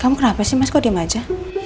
kamu kenapa sih mas kok diem aja